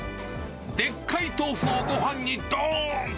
でっかい豆腐をごはんにどーん。